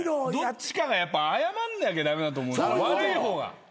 どっちかがやっぱ謝んなきゃ駄目だと思う悪い方が。